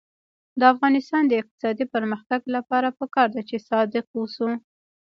د افغانستان د اقتصادي پرمختګ لپاره پکار ده چې صادق اوسو.